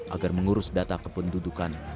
agar mengurus data kependudukan